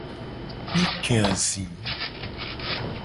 Mi ke azi.